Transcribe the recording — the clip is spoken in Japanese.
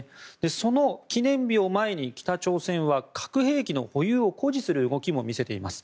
その記念日を前に北朝鮮は核兵器の保有を誇示する動きも見せています。